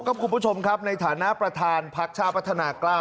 ขอบคุณผู้ชมครับในฐานะประธานภักดิ์ชาวปัฒนากล้า